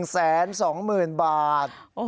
๑แสน๒หมื่นบาท